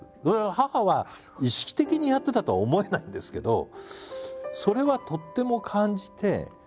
それは母は意識的にやってたとは思えないんですけどそれはとっても感じて。